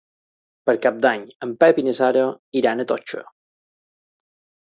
Per Cap d'Any en Pep i na Sara iran a Toixa.